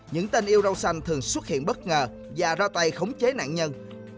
những tình yêu râu xanh thường xuất hiện bất ngờ và ra tay khống chế nạn nhân